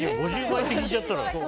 ５０倍って聞いちゃったら。